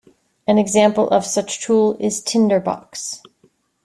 An example of such tool is Tinderbox.